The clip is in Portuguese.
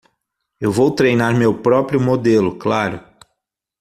Eu vou treinar meu próprio modelo, claro.